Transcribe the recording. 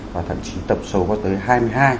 và thậm chí tổng số có tới hai mươi hai